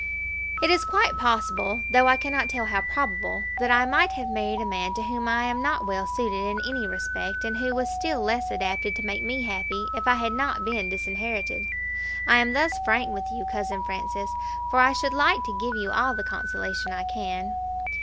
"It is quite possible, though I cannot tell how probable, that I might have married a man to whom I am not well suited in any respect, and who was still less adapted to make me happy if I had not been disinherited. I am thus frank with you, cousin Francis, for I should like to give you all the consolation I can."